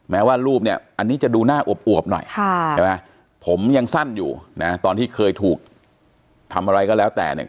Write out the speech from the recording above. ว่ารูปเนี่ยอันนี้จะดูหน้าอวบหน่อยใช่ไหมผมยังสั้นอยู่นะตอนที่เคยถูกทำอะไรก็แล้วแต่เนี่ย